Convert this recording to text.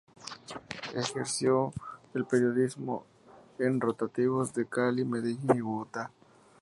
Ejerció el periodismo en rotativos de Cali, Medellín y Bogotá.